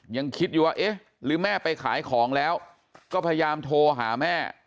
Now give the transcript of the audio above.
ยังคิดอยู่ว่าเอ๊ะหรือแม่ไปขายของแล้วก็พยายามโทรหาแม่